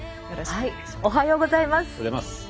おはようございます。